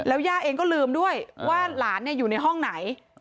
ย่าเองก็ลืมด้วยว่าหลานอยู่ในห้องไหน